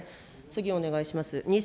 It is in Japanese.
次、お願いします。